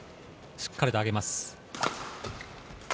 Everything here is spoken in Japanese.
しっかりと上げます。